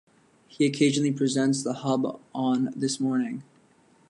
He occasionally presents "The Hub" on "This Morning".